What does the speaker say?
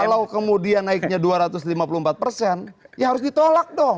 kalau kemudian naiknya dua ratus lima puluh empat persen ya harus ditolak dong